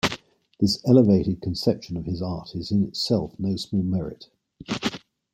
This elevated conception of his art is in itself no small merit.